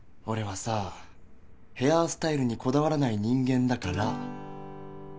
俺はさヘアスタイルにこだわらない人間だから。